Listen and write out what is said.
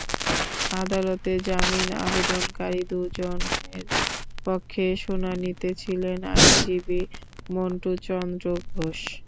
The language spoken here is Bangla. আদালতে জামিন আবেদনকারী দুজনের পক্ষে শুনানিতে ছিলেন আইনজীবী মন্টু চন্দ্র ঘোষ।